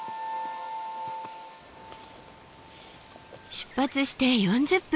出発して４０分。